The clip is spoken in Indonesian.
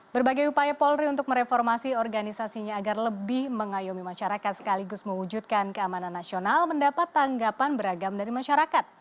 berbagai upaya polri untuk mereformasi organisasinya agar lebih mengayomi masyarakat sekaligus mewujudkan keamanan nasional mendapat tanggapan beragam dari masyarakat